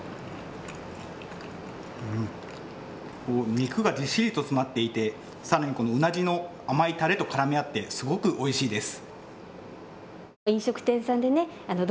肉がぎっしりと詰まっていてさらに、このうなぎの甘いタレと絡み合ってすごくおいしいです。